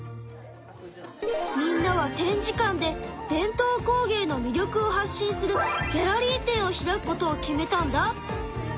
みんなは展示館で伝統工芸の魅力を発信するギャラリー展を開くことを決めたんだ。